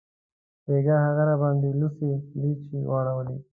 بیګاه هغې راباندې لوڅې لیچې واړولې